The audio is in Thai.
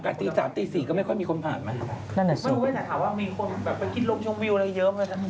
ไม่รู้ไหมแต่ถามว่ามีคนคิดลงช่องวิวอะไรเยอะเลย